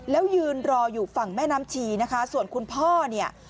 แล้วยืนรออยู่ฝั่งแม่น้ำชีนะคะส่วนคุณพ่อเนี่ย